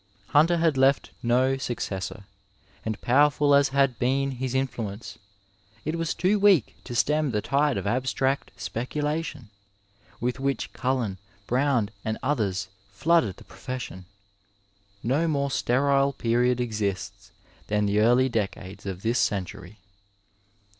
Hunter had left no successor, and powerful as had been his influence it was too weak to stem the tide of abstract speculation, with which Collen, Brown, and others flooded the profession. No more sterile period exists than the early decades of this century.